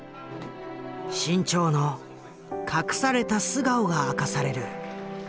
志ん朝の隠された素顔が明かされる。